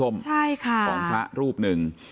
ใช่ค่ะของพระรูปหนึ่ง